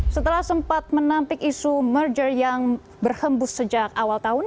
setelah sempat menampik isu merger yang berhembus sejak awal tahun